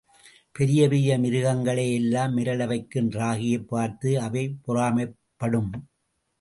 பெரிய பெரிய மிருகங்களை எல்லாம் மிரள வைக்கும் ராகியைப் பார்த்து அவை பொறாமைப்படும்.